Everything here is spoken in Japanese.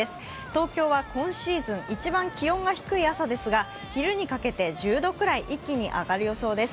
東京は今シーズン一番気温の低い朝ですが昼にかけて１０度くらい一気に上がる予想です。